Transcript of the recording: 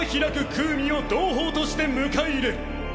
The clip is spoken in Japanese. クウミを同胞として迎え入れる。